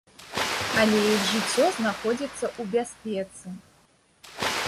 Але іх жыццё знаходзіцца ў бяспецы.